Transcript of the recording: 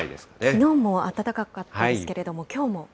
きのうも暖かかったですけれども、きょうも？